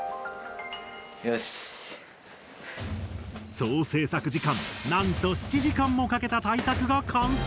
総制作時間なんと７時間もかけた大作が完成！